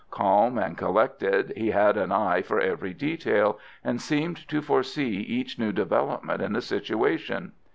Calm and collected, he had an eye for every detail, and seemed to foresee each new development in the situation.